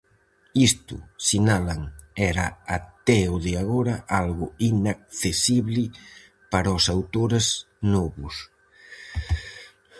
Isto, sinalan, era até o de agora algo "inaccesible" para os autores novos.